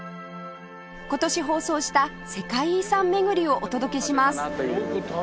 今年放送した世界遺産巡りをお届けします